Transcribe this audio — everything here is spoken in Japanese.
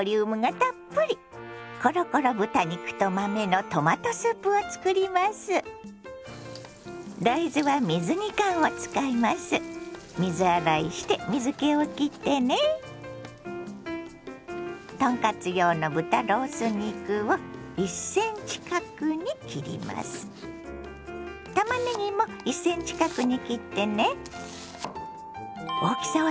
たまねぎも１ｃｍ角に切ってね。